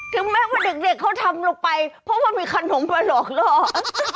ถึงแม้ว่าเด็กเขาทำลงไปเพราะว่ามีขนมมาหลอกล่อ